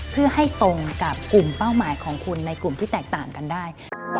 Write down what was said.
เพื่อให้ตรงกับกลุ่มเป้าหมายของคุณในกลุ่มที่แตกต่างกันได้